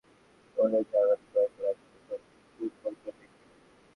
বিজয় মঞ্চে পৌঁছে বিশ্বকাপজয়ী খেলোয়াড়েরা নেচে-গেয়ে মাতিয়ে তোলেন জার্মানির কয়েক লাখ ফুটবলপ্রেমীকে।